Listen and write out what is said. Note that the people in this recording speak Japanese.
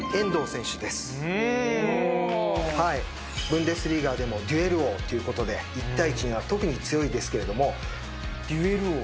ブンデスリーガでもデュエル王ということで１対１には特に強いですけれども。